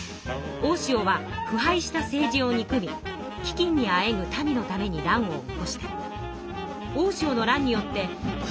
大塩はふ敗した政治を憎み飢饉にあえぐ民のために乱を起こした。